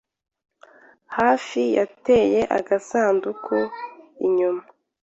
hafi yanteye agasanduku inyuma.